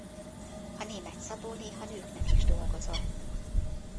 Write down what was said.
A német szabó néha nőknek is dolgozott.